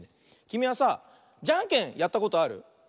きみはさじゃんけんやったことある？